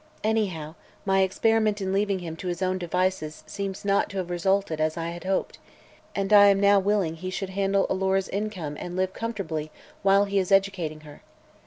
Anyhow, my experiment in leaving him to his own devices seems not to have resulted as I had hoped, and I now am willing he should handle Alora's income and live comfortably while he is educating her.